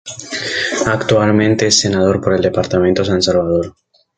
Actualmente es senador por el Departamento San Salvador.